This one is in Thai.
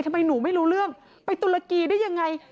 ทำไมหนูไม่รู้เรื่องไปตุรกีได้ยังไง